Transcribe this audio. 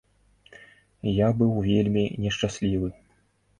Я быў вельмі нешчаслівы.